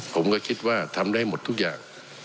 ผมก็คิดว่าทำได้หมดทุกอย่าง